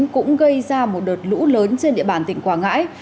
cũng gây ra một đợt lũ lớn trên địa bàn tỉnh quảng ngãi